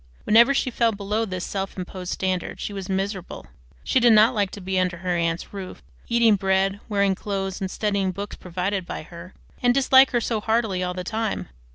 Whenever she fell below this self imposed standard she was miserable. She did not like to be under her aunt's roof, eating bread, wearing clothes, and studying books provided by her, and dislike her so heartily all the time.